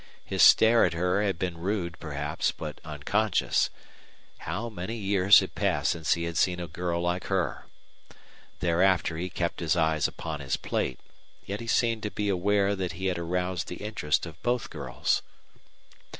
His stare at her had been rude, perhaps, but unconscious. How many years had passed since he had seen a girl like her! Thereafter he kept his eyes upon his plate, yet he seemed to be aware that he had aroused the interest of both girls.